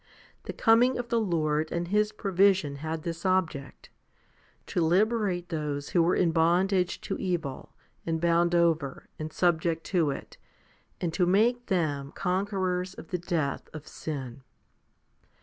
The coming of the Lord and His provision had this object to liberate those who were in bondage to evil, and bound over, and subject to it, and to make them conquerors of the death of sin.